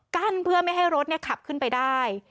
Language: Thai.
กั้นเพื่อไม่ให้รถขับขึ้นไปได้